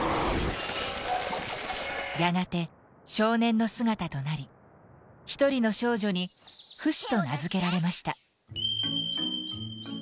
やがて少年の姿となりひとりの少女に「フシ」と名付けられました。